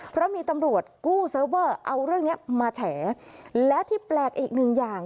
เพราะมีตำรวจกู้เซิร์ฟเวอร์เอาเรื่องเนี้ยมาแฉและที่แปลกอีกหนึ่งอย่าง